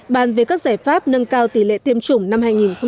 bàn về các giải pháp nâng cao tỷ lệ tiêm chủng năm hai nghìn một mươi tám